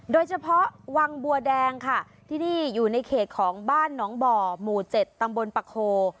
โดยเฉพาะวังบัวแดงค่ะที่นี่อยู่ในเขตของบ้านหนองบ่อหมู่๗ตำบลปะโค